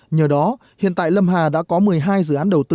nhờ đó hiện tại lâm hà đã có một mươi hai dự án đầu tư